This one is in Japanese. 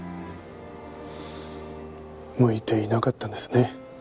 向いていなかったんですね